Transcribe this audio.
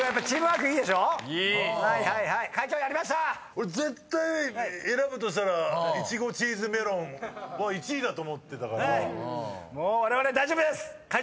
俺絶対選ぶとしたら「いちごチーズメロン」は１位だと思ってたから。